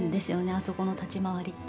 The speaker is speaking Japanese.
あそこの立ち回りって。